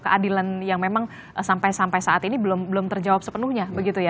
keadilan yang memang sampai saat ini belum terjawab sepenuhnya begitu ya